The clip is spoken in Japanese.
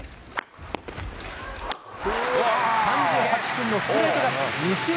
３８分のストレート勝ち。